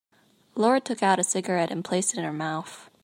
Laura took out a cigarette and placed it in her mouth.